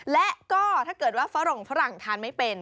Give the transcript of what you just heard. และก็ถ้าเกิดว่าฝรั่งฝรั่งทานไม่เป็น